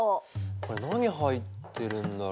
これ何入ってるんだろう？